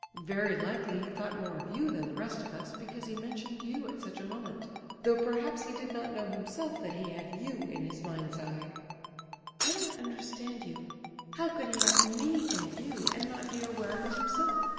Very likely he thought more of you than the rest of us, because he mentioned you at such a moment, though perhaps he did not know himself that he had you in his mind's eye." "I don't understand you. How could he have me in view, and not be aware of it himself?